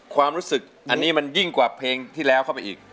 ความรู้สึกอันนี้มันยิ่งกว่าเพลงที่แล้วเข้าไปอีก